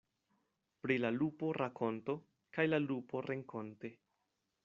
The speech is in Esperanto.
Pri la lupo rakonto, kaj la lupo renkonte.